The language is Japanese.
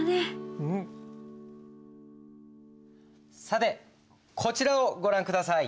さてこちらをご覧下さい。